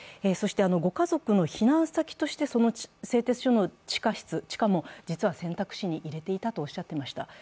ご家族の避難先として製鉄所の地下も実は選択肢に入れていたとおっしゃっていました。